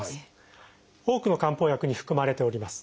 多くの漢方薬に含まれております。